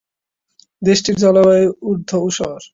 দেশটির জলবায়ু অর্ধ-ঊষর।